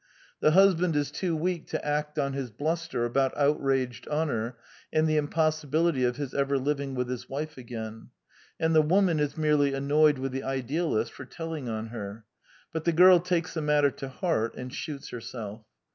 The husband is too weak to act on his bluster about outraged honor and the impossibility of his ever living with his wife again; and the woman is merely annoyed with the idealist for telling on her; but the girl takes the matter to heart and shoots herself.